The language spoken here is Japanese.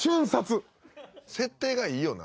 設定がいいよな。